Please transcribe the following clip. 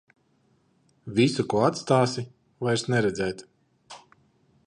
Visu, ko atstāsi, vairs neredzēt.